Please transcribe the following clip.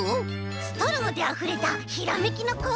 ストローであふれたひらめきのこうえんだよ！